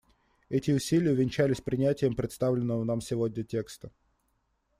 Эти усилия увенчались принятием представленного нам сегодня текста.